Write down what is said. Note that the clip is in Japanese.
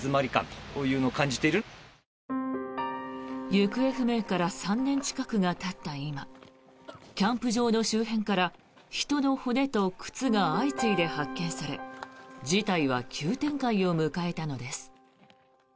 行方不明から３年近くがたった今キャンプ場の周辺から人の骨と靴が相次いで発見され事態は急展開を迎えたのです。